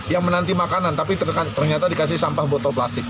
yang menanti makanan tapi ternyata dikasih sampah botol plastik